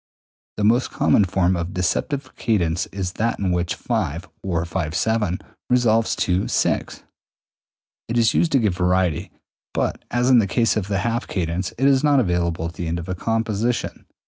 The most common form of deceptive cadence is that in which V (or V^7) resolves to VI. It is used to give variety, but as in the case of the half cadence, is not available at the end of a composition.